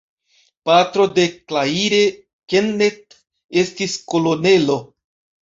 Patro de Claire Kenneth estis kolonelo.